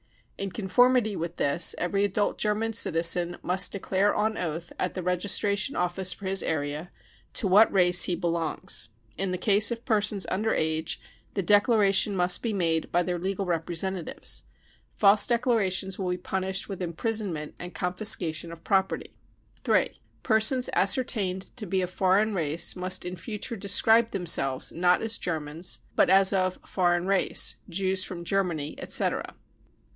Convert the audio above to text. In conformity with this every adult German citizen must declare on oath, at the registration office for his area, to what race he belongs. In the case of persons under age, the declaration must be made by their legal representatives. False declarations will be punished with imprisonment and confiscation of property. " 3. Persons ascertained to be of foreign race must in 282 BROWN BOOK OF THE HITLER TERROR future describe themselves not as Germans but as of foreign race (Jews from Germany, etc.). <s 4.